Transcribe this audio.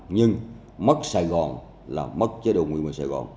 nhưng mất sài gòn là mất chế độ nguyên về sài gòn